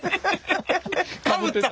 かぶった？